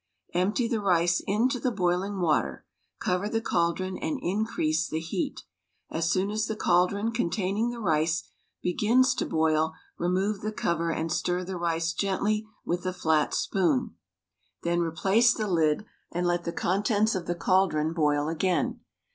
Empty the rice into the boiling water. Cover the caldron and increase the heat. As soon as the caldron containing the rice begins to boil remove the cover and stir the rice gently with a flat spoon. Then replace THE STAG COOK BOOK the lid and let the contents of the caldron boil again.